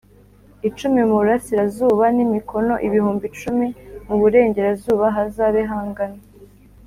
Icumi mu burasirazuba n imikono ibihumbi icumi mu burengerazuba hazabe hangana